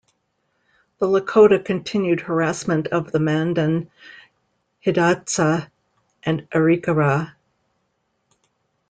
The Lakota continued harassment of the Mandan, Hidatsa and Arikara.